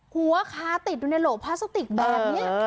หัวคาติดอยู่ในโหลกพลาสติกแบบนี้